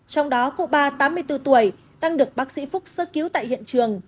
trong đó cụ ba tám mươi bốn tuổi đang được bác sĩ phúc sơ cứu tại hiện trường